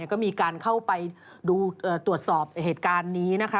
ก็มีการเข้าไปดูตรวจสอบเหตุการณ์นี้นะคะ